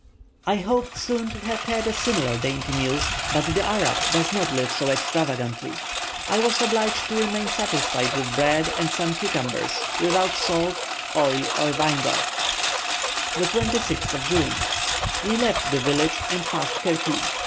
I hoped soon to have had a similar dainty meal, but the Arab does not live so extravagantly; I was obliged to remain satisfied with bread and some cucumbers, without salt, oil, or vinegar. 26th June. We left the village and passed Kerku.